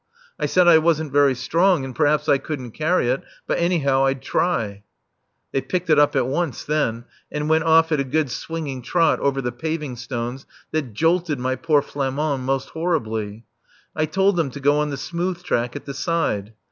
I said I wasn't very strong, and perhaps I couldn't carry it, but anyhow I'd try. They picked it up at once then, and went off at a good swinging trot over the paving stones that jolted my poor Flamand most horribly. I told them to go on the smooth track at the side.